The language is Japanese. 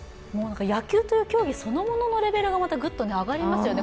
野球という競技そのもののレベルが上がりますよね。